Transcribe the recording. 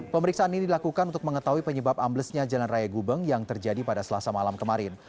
pemeriksaan ini dilakukan untuk mengetahui penyebab amblesnya jalan raya gubeng yang terjadi pada selasa malam kemarin